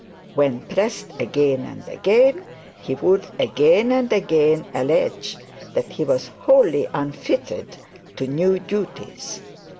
When pressed again and again, he would again and again allege that he was wholly unfitted to new duties.